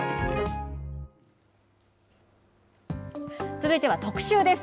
続いては特集です。